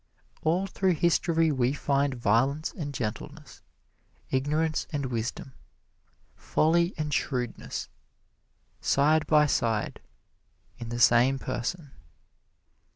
All through history we find violence and gentleness, ignorance and wisdom, folly and shrewdness side by side in the same person.